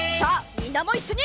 みんなもいっしょに。